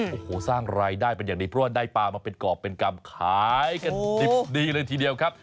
โอ้โหสร้างรายได้เป็นอย่างดีเพราะว่าได้ปลามาเป็นกรอบเป็นกรรมขายกันดิบดีเลยทีเดียวครับ